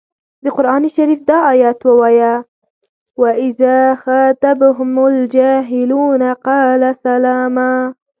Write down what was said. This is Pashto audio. د قران شریف دا ایت یې ووايه و اذا خاطبهم الجاهلون قالو سلاما.